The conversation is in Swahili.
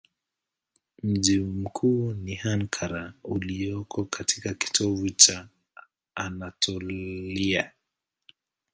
Mji mkuu ni Ankara ulioko katika kitovu cha Anatolia.